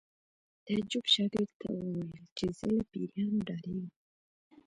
تعجب شاګرد ته وویل چې زه له پیریانو نه ډارېږم